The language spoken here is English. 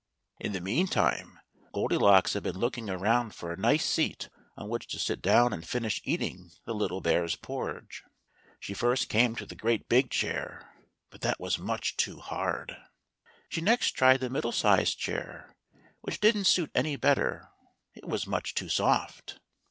In the meantime Goldilocks had been looking around for a nice seat on which to sit down and finish eating the little bears porridge. She first came to the great big chair, but that was much too hard. She next tried the middle sized chair, which didn't suit any better; it was much too soft.